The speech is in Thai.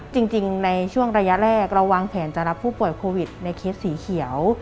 จริงในช่วงระยะแรกเราวางแผนจะรับผู้ป่วยโควิดในเคสสีเขียว